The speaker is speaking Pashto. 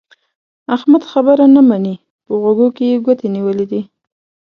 احمد خبره نه مني؛ په غوږو کې يې ګوتې نيولې دي.